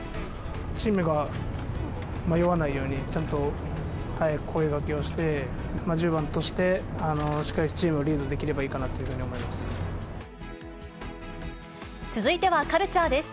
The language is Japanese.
チームが迷わないように、ちゃんと早く声がけをして、１０番として、しっかりチームをリードできればいいかなというふうに思います。